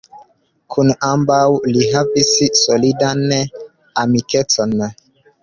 Kun ambaŭ li havis solidan amikecon.